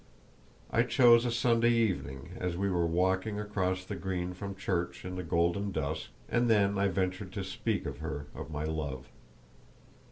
I chose a Sunday evening as we were walking across the green from church in the golden dusk, and then I ventured to speak to her of my love.